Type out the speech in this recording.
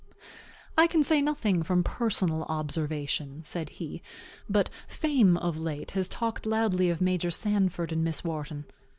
"I can say nothing from personal observation," said he; "but fame, of late, has talked loudly of Major Sanford and Miss Wharton.